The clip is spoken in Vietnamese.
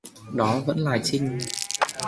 Đó vẫn là trinh